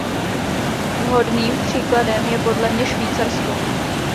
Vhodným příkladem je podle mne Švýcarsko.